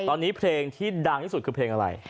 ตอนนี้เพลงที่ดังที่สุดคือเพลงอะไร